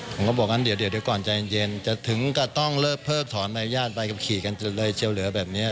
ผมก็บอกงั้นเดี๋ยวก่อนใจเย็นจะถึงกับต้องเลิกเพิกถอนใบญาตใบขับขี่กันเลยเชียวเหลือแบบนี้